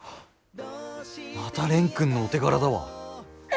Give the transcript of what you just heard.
また蓮くんのお手柄だわ。